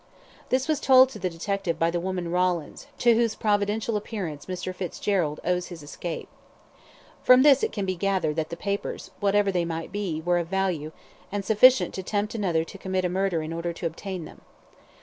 This was told to the detective by the woman Rawlins, to whose providential appearance Mr. Fitzgerald owes his escape. From this it can be gathered that the papers whatever they might be were of value, and sufficient to tempt another to commit a murder in order to obtain them.